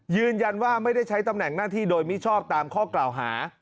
ยืนยันว่าไม่ได้ใช้ตำแหน่งหน้าที่โดยมิชอบตามข้อกล่าวหา